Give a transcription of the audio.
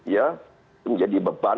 ya menjadi beban